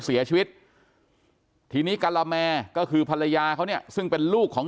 เสียชีวิตทีนี้กะละแมก็คือภรรยาเขาเนี่ยซึ่งเป็นลูกของ